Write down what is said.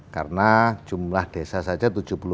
karena jumlah desa saja tujuh puluh empat sembilan ratus